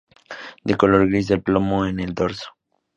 De color gris de plomo en el dorso.